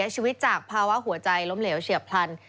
ชีวิตจากภาวะหัวใจล้มเหลวเฉียบพลัน